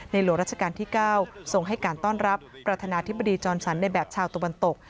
หลวงราชการที่๙ทรงให้การต้อนรับประธานาธิบดีจรสันในแบบชาวตะวันตก